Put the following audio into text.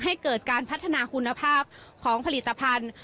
ให้เกิดการพัฒนาคุณภาพของผลิตภัณฑ์